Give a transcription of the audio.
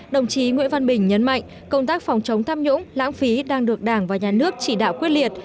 đồng chí nguyễn văn bình nhấn mạnh công tác phòng chống tham nhũng lãng phí đang được đảng và nhà nước chỉ đạo quyết liệt